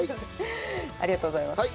ありがとうございます。